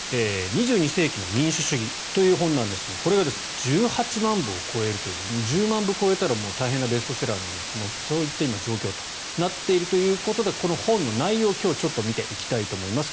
「２２世紀の民主主義」という本なんですがこれが１８万部を超えるという１０万部を超えたら大変なベストセラーなんですがそういった状況となっているということでこの本の内容を今日は見ていきたいと思います。